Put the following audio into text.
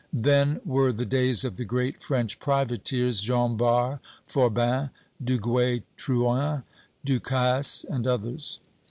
Then were the days of the great French privateers, Jean Bart, Forbin, Duguay Trouin, Du Casse, and others.